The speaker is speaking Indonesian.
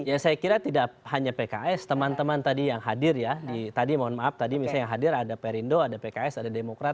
ya saya kira tidak hanya pks teman teman tadi yang hadir ya tadi mohon maaf tadi misalnya yang hadir ada perindo ada pks ada demokrat